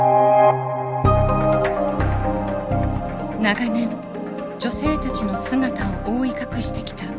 長年女性たちの姿を覆い隠してきたブルカ。